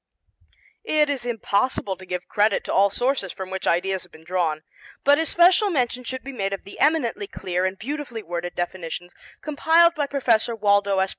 It is impossible to give credit to all sources from which ideas have been drawn, but especial mention should be made of the eminently clear and beautifully worded definitions compiled by Professor Waldo S.